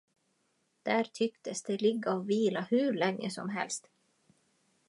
Där tycktes de ligga och vila hur länge som helst.